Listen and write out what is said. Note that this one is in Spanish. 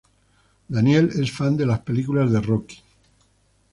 Daniel es fan de las películas de Rocky.